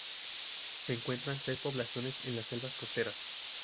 Se encuentran tres poblaciones en las selvas costeras.